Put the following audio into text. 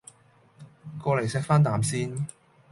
過黎錫返啖先